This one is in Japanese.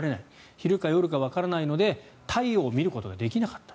昼か夜かわからないので太陽を見ることができなかった。